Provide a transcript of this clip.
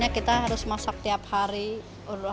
itu adalah hal yang wikipedia sekarang